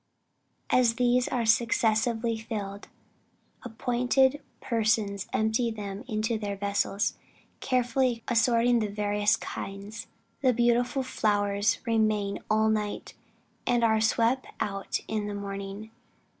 As these are successively filled, appointed persons empty them into their vessels, carefully assorting the various kinds. The beautiful flowers remain all night and are swept out in the morning.